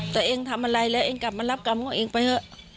ตัวเองทำอะไรแล้วเองกลับมารับกรรมเขาเองไปเถอะ